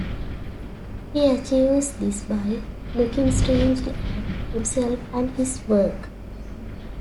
He achieves this by looking strangely at himself and his work.